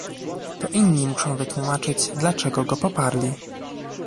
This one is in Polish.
To inni muszą wytłumaczyć, dlaczego go poparli